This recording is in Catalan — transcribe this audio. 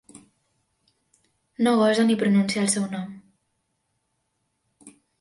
No gosa ni pronunciar el seu nom.